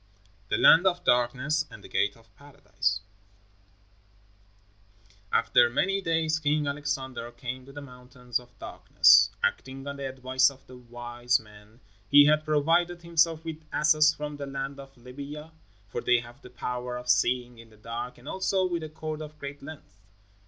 THE LAND OF DARKNESS AND THE GATE OF PARADISE After many days King Alexander came to the Mountains of Darkness. Acting on the advice of the wise men, he had provided himself with asses from the land of Libya, for they have the power of seeing in the dark, and also with a cord of great length.